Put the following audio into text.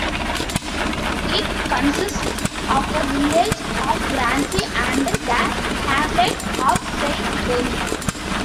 It consists of the village of Grancy and the hamlet of Saint-Denis.